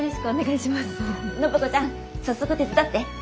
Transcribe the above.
暢子ちゃん早速手伝って。